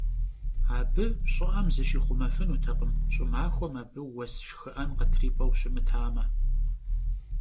Abı ş'ı'em zışixhumefınutekhım, ş'ımaxuem abı vues şşxı'en khıtrip'eu şımıtame.